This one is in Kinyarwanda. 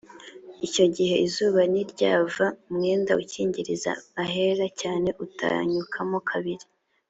icyo gihe izuba ntiryava umwenda ukingiriza ahera cyane utanyukamo kabiri